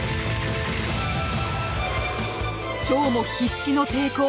チョウも必死の抵抗。